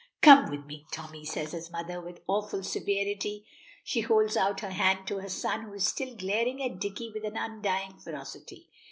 "Come with me, Tommy," says his mother, with awful severity. She holds out her hand to her son, who is still glaring at Dicky with an undying ferocity.